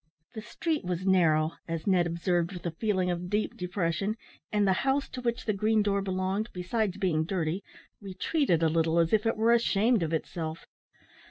The street was narrow as Ned observed with a feeling of deep depression and the house to which the green door belonged, besides being dirty, retreated a little, as if it were ashamed of itself.